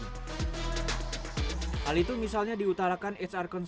hal itu misalnya jika anda memiliki kemampuan untuk melakukan pekerjaan secara online